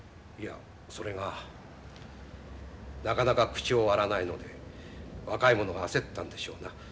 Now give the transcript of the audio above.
いやそれがなかなか口を割らないので若い者があせったんでしょうな